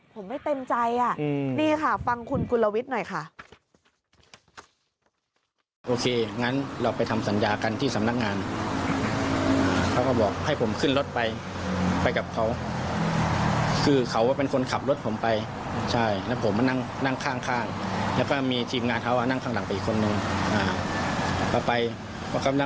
ผมไม่เต็มใจนี่ค่ะฟังคุณกุลวิทย์หน่อยค่ะ